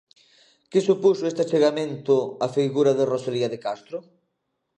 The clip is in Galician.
Que supuxo este achegamento á figura de Rosalía de Castro?